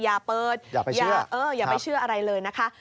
อย่าเปิดอย่าไปเชื่ออะไรเลยนะคะ